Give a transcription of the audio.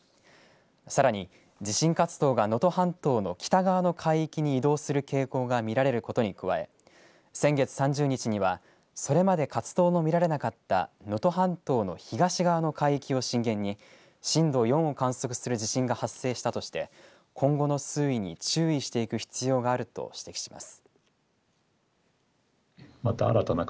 さらに地震活動が能登半島の北側の海域に移動する傾向が見られることに加え先月３０日にはそれまで活動の見られなかった能登半島の東側の海域を震源に震度４を観測する地震が発生したとして今後の推移に注意していく必要があると指摘します。